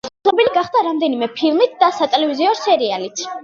ცნობილი გახდა რამდენიმე ფილმით და სატელევიზიო სერიალით.